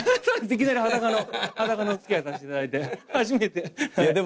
いきなり裸のお付き合いさせていただいて。